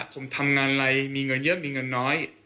ผมทำงานอะไรมีเงินเยอะมีเงินน้อย